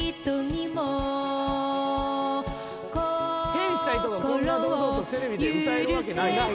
屁した人がこんな堂々とテレビで歌えるわけないよな？